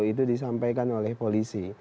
ini sudah disampaikan oleh polisi